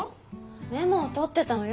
メモを取ってたのよ。